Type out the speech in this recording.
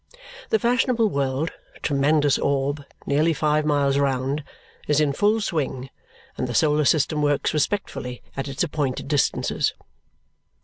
The fashionable world tremendous orb, nearly five miles round is in full swing, and the solar system works respectfully at its appointed distances.